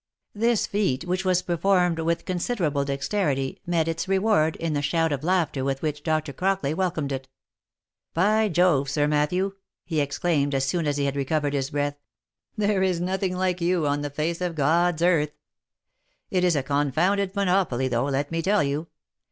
This feat, which was performed with considerable dexterity, met its reward, in the shout of laughter with which Dr. Crockley welcomed it. " By Jove, Sir Matthew !" he exclaimed, as soon as he had recovered his breath ;" there is nothing like you on the face of God's earth. — It is a confounded monopoly though, let me tell you.